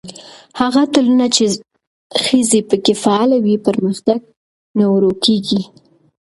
هغه ټولنه چې ښځې پکې فعاله وي، پرمختګ نه ورو کېږي.